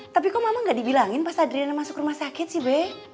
tapi kok mama gak dibilangin pas adriana masuk rumah sakit sih be